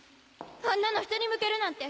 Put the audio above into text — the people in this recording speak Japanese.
あんなの人に向けるなんて。